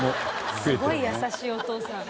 すごい優しいお父さん。